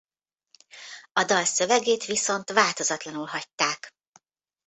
A dal szövegét viszont változatlanul hagyták.